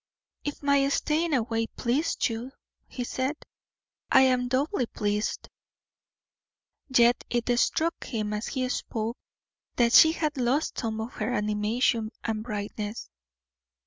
"If my staying away pleased you," he said, "I am doubly pleased." Yet it struck him as he spoke, that she had lost some of her animation and brightness.